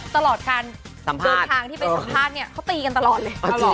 ตลอดทางที่ไปสัมภาษณ์เขาตีกันตลอดเลย